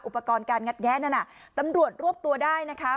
อุปกรณ์การงัดแงะนั่นน่ะตำรวจรวบตัวได้นะคะ